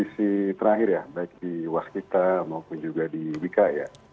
kondisi terakhir ya baik di waskita maupun juga di wika ya